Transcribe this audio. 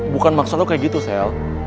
bukan maksud lo kayak gitu sel